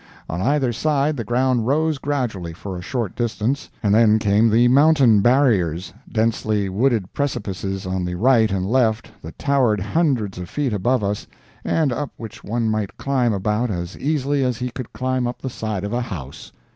On either side the ground rose gradually for a short distance, and then came the mountain barriers—densely wooded precipices on the right and left, that towered hundreds of feet above us, and up which one might climb about as easily as he could climb up the side of a house.